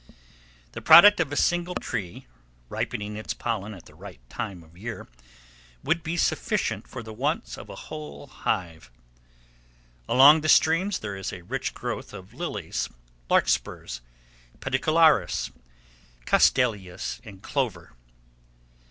The product of a single tree, ripening its pollen at the right time of year, would be sufficient for the wants of a whole hive. Along the streams there is a rich growth of lilies, larkspurs, pedicularis, castilleias, and clover.